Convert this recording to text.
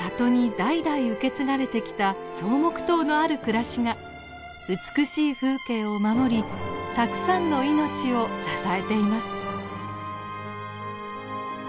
里に代々受け継がれてきた草木塔のある暮らしが美しい風景を守りたくさんの命を支えています。